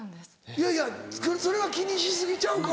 いやいやそれは気にし過ぎちゃうか？